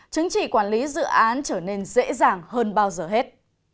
chứng chỉ quản lý dự án trở nên dễ dàng hơn bao giờ hết